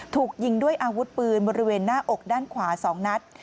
ถูกยิงด้วยอาวุธปืนบริเวณหน้าอกด้านขวา๒นัด